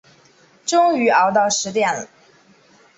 终于熬到十点